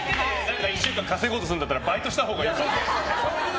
１週間稼ごうとするんだったらバイトしたほうがいい。